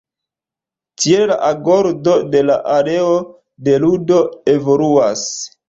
Tiel la agordo de la areo de ludo evoluas.